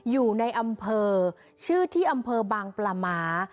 อยู่ในอำเภอชื่อที่อำเภอบางปลาม้า